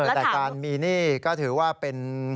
แต่การมีหนี้ก็ถือว่าเป็น